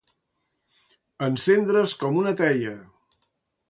Encendre's com una teia.